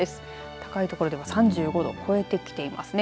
高いところでは３５度超えてきていますね。